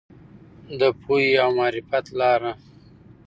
د پوهې او معرفت لاره.